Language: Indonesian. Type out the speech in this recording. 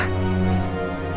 tangganya fabulous mbak